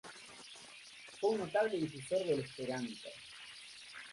Fue un notable difusor del esperanto.